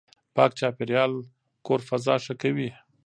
پاک چاپېريال کور فضا ښه کوي.